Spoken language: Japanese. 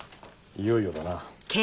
いよいよだな。